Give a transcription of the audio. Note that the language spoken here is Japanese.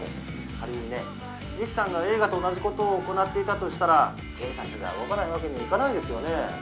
仮にね由紀さんが映画と同じことを行っていたとしたら警察が動かないわけにはいかないですよね。